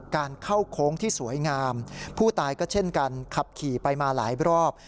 การเข้าโค้งที่สวยงามผู้ตายก็เช่นกันขับขี่ไปมาหลายรอบ